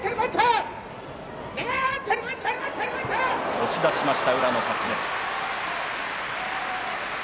押し出しました宇良の勝ちです。